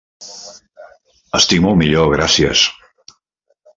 Estic molt millor, gràcies.